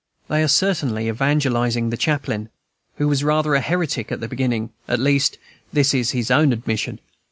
They are certainly evangelizing the chaplain, who was rather a heretic at the beginning; at least, this is his own admission.